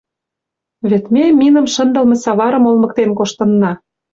Вет ме миным шындылме саварым олмыктен коштынна.